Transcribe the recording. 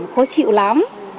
khó chịu lắm